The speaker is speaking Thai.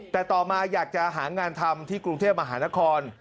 แต่ต่อมาอยากจะหางานทำที่กรุงเทพมหานคร